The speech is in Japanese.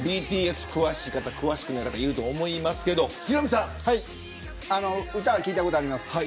ＢＴＳ、詳しい方、詳しくない方いると思いますが歌は聞いたことあります。